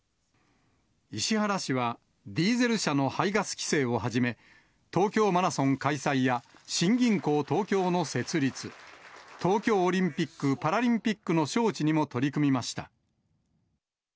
石原氏は、ディーゼル車の排ガス規制をはじめ、東京マラソン開催や新銀行東京の設立、東京オリンピック・パラリンピックの招致にも取り組みました。